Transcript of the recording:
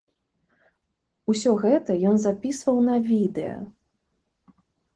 Усё гэта ён запісваў на відэа.